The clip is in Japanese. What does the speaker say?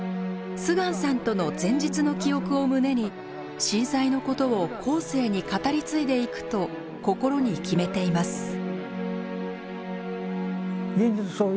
秀光さんとの前日の記憶を胸に震災のことを後世に語り継いでいくと心に決めています。